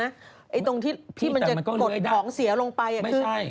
ไอ้ตรงที่มันจะกดของเสียลงไปคือ